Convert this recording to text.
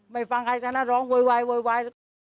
ไม่ฟังใครก็ร้องโวยวายโวยวาย